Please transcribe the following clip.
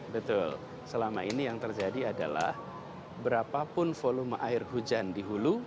betul selama ini yang terjadi adalah berapapun volume air hujan di hulu